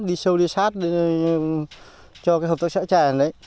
đi sâu đi sát cho hợp tác xã trẻ này